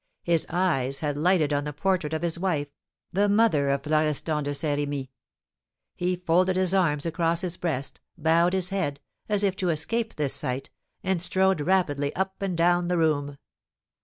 His eyes had lighted on the portrait of his wife, the mother of Florestan de Saint Remy! He folded his arms across his breast, bowed his head, as if to escape this sight, and strode rapidly up and down the room.